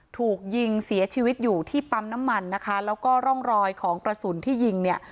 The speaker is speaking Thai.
ถูกยิงเสียชีวิตอยู่ที่ปั๊มน้ำมันนะคะแล้วก็ร่องรอยของกระสุนที่ยิงเนี่ย